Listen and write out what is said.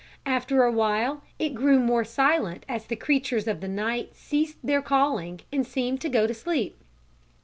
After a while it grew more silent as the creatures of the night ceased their calling, and seemed to go to sleep.